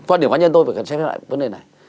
quan điểm bản nhân tôi phải xem lại vấn đề này